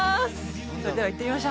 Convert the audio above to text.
それでは行ってみましょ